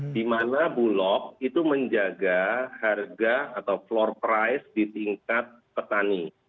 di mana bulog itu menjaga harga atau floor price di tingkat petani